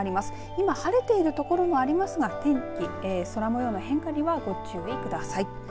今晴れているところもありますが、天気空もようの変化にはご注意ください。